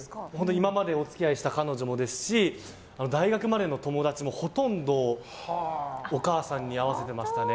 今までお付き合いした彼女もですし大学までの友達もほとんどお母さんに会わせてましたね。